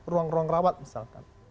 ruang ruang rawat misalkan